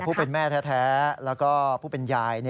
แต่ผู้เป็นแม่แท้และผู้เป็นยาย